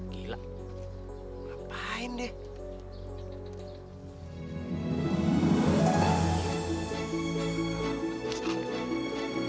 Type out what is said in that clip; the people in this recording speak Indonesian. gila ngapain dia